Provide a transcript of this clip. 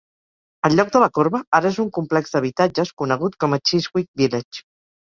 El lloc de la corba ara és un complex d'habitatges conegut com a Chiswick Village.